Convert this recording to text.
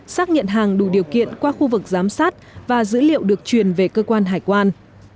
xác nhận hàng đủ điều kiện qua khu vực giám sát và dữ liệu được truyền về cơ quan hải quan